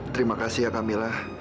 terima kasih ya kamilah